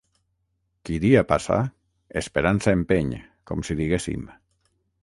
Qui dia passa, esperança empeny, com si diguéssim.